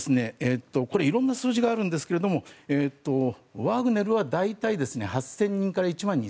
これは色んな数字があるんですがワグネルは大体８０００人から１万２０００人。